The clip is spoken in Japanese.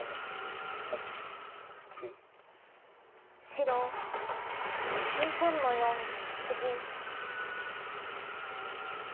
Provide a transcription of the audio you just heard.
白１３の四ツギ。